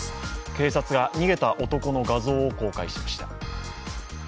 警察が逃げた男の画像を公開しました。